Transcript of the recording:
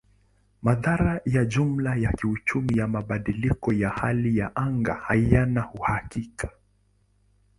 Madhara ya jumla ya kiuchumi ya mabadiliko ya hali ya anga hayana uhakika.